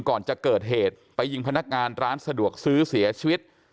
ก่อนจะเกิดเหตุไปยิงพนักงานร้านสะดวกซื้อเสียชีวิต